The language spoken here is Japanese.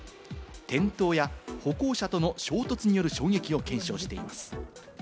転倒や歩行者との衝突による衝撃を検証しています。